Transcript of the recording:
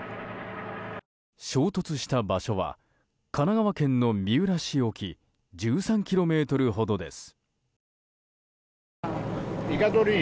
衝突した場所は神奈川県の三浦市沖１３ｋｍほどです。